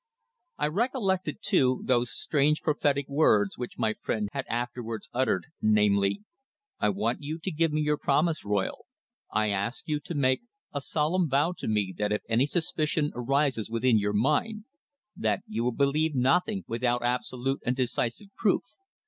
I recollected, too, those strange, prophetic words which my friend had afterwards uttered, namely: "I want you to give me your promise, Royle. I ask you to make a solemn vow to me that if any suspicion arises within your mind, that you will believe nothing without absolute and decisive proof.